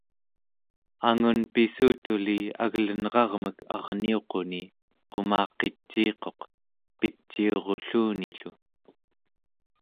angun pissutuli aglenrarmek arniuquni qumaqiciiquq, picuirulluni-llu